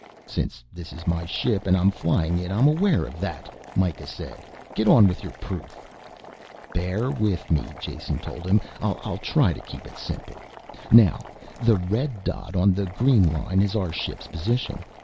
"Since this is my ship and I'm flying it I'm aware of that," Mikah said. "Get on with your proof." "Bear with me," Jason told him. "I'll try and keep it simple. Now the red dot on the green line is our ship's position.